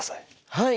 はい。